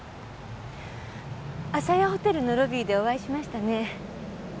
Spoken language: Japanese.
あさやホテルのロビーでお会いしましたね。